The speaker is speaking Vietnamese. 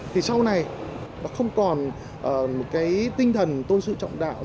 thì sau này nó không còn một cái tinh thần tôi sự trọng đạo